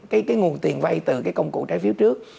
cái nguồn tiền vay từ cái công cụ trái phiếu trước